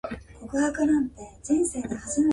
湯ノ湖